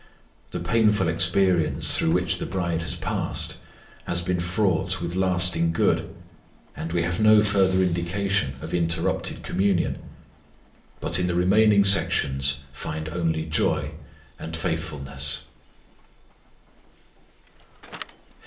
The painful experience through which the bride has passed has been fraught with lasting good, and we have no further indication of interrupted communion, but in the remaining sections find only joy and fruitfulness.